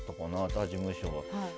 他事務所は。